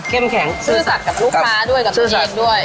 เข้มแข็งซื่อสัตย์กับลูกค้าด้วยกับตัวเองด้วย